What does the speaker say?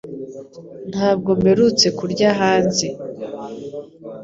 Ntabwo mperutse kurya hanze